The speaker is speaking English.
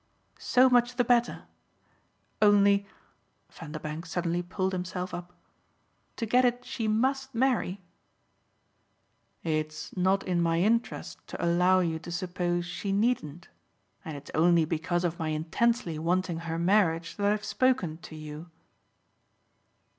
"So much the better! Only" Vanderbank suddenly pulled himself up "to get it she MUST marry?" "It's not in my interest to allow you to suppose she needn't, and it's only because of my intensely wanting her marriage that I've spoken to you."